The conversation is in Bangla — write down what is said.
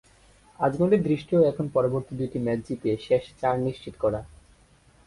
আজমলের দৃষ্টিও এখন পরবর্তী দুইটি ম্যাচ জিতে শেষ চার নিশ্চিত করা।